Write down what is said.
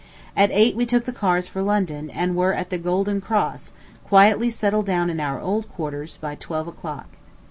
At eight we took the cars for London, and were at the Golden Cross, quietly settled down in our old quarters, by twelve o'clock.